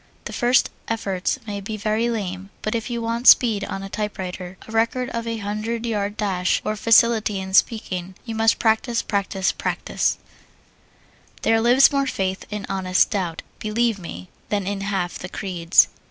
The first efforts may be very lame, but if you want speed on a typewriter, a record for a hundred yard dash, or facility in speaking, you must practise, practise, PRACTISE. There lives more faith in honest doubt, Believe me, than in half the creeds.